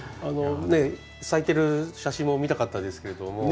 咲いてる写真も見たかったですけども。